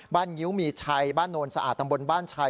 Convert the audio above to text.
งิ้วมีชัยบ้านโนนสะอาดตำบลบ้านชัย